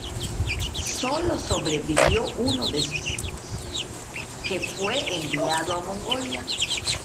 Sólo sobrevivió uno de sus hijos, que fue enviado a Mongolia.